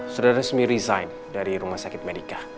sudah resmi resign dari rumah sakit medica